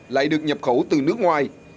lại được nhập khẩu từ nước ngoài